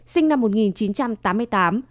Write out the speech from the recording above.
sinh năm một nghìn chín trăm tám mươi tám